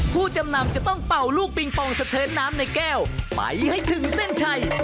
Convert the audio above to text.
ผู้จำนำจะต้องเป่าลูกปิงปองสะเทินน้ำในแก้วไปให้ถึงเส้นชัย